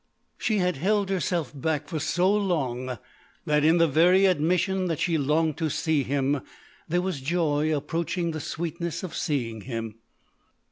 She had held herself back for so long that in the very admission that she longed to see him there was joy approaching the sweetness of seeing him.